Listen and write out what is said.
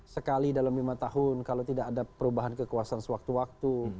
sekali dalam lima tahun kalau tidak ada perubahan kekuasaan sewaktu waktu